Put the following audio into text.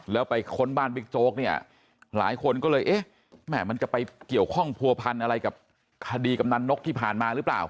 แล้วไปค้นบ้านบิ๊กโจ๊กเนี่ยหลายคนก็เลยเอ๊ะแม่มันจะไปเกี่ยวข้องผัวพันธ์อะไรกับคดีกำนันนกที่ผ่านมาหรือเปล่า